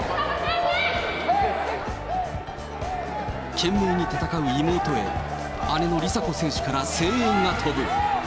懸命に戦う妹へ、姉の梨紗子選手から声援が飛ぶ。